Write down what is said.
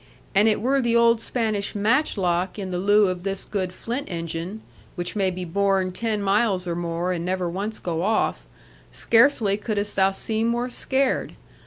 An it were the old Spanish match lock in the lieu of this good flint engine, which may be borne ten miles or more and never once go off, scarcely couldst thou seem more scared.